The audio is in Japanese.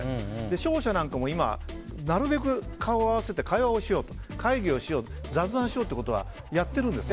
商社なんかも今、なるべく顔を合わせて会話をしよう会議をしよう、雑談しようということはやってるんです。